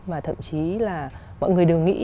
mà thậm chí là mọi người đều nghĩ